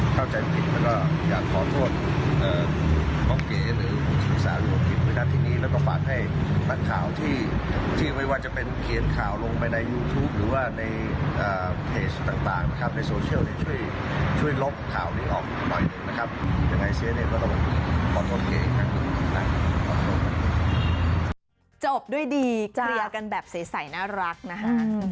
จบด้วยดีเคลียร์กันแบบใสน่ารักนะฮะ